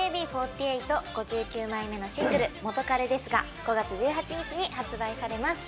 ＡＫＢ４８、５９枚目のシングル『元カレです』が５月１８日に発売されます。